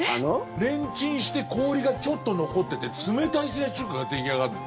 レンチンして氷がちょっと残ってて冷たい冷やし中華が出来上がるの。